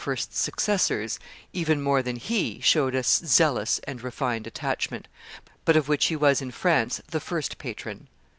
's successors, even more than he, showed a zealous and refined attachment, but of which he was, in France, the first patron.